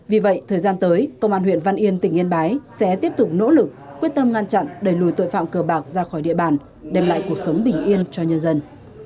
vì vậy thời gian tới công an huyện văn yên tỉnh yên bái sẽ tiếp tục nỗ lực quyết tâm ngăn chặn đẩy lùi tội phạm cờ bạc ra khỏi địa bàn đem lại cuộc sống bình yên cho nhân dân